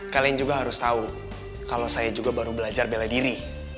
kalian juga harus tahu kalau saya juga baru belajar bela diri